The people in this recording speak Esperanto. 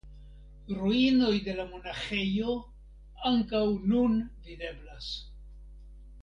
Ruinoj de la monaĥejo ankaŭ nun videblas.